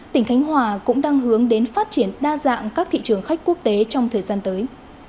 tỉnh khánh hòa cũng đang hướng đến phát triển đa dạng các thị trường khách quốc tế trong thời gian tới